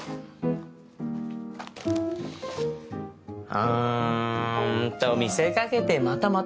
あん。と見せかけてまたまた。